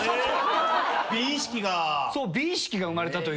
美意識が。